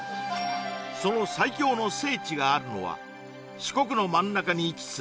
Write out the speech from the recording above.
その最強の聖地があるのは四国の真ん中に位置する